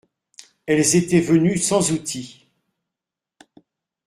Elles étaient venues sans outil.